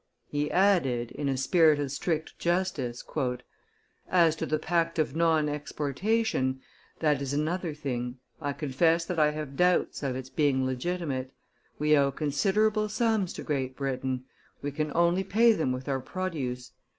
He added, in a spirit of strict justice: "As to the pact of non exportation, that is another thing; I confess that I have doubts of its being legitimate. We owe considerable sums to Great Britain; we can only pay them with our produce.